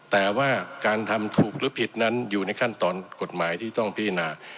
แต่ว่าการทำถูกหรือผิดนั้นอยู่ในขั้นตอนกฎหมายที่ต้องพิจารณา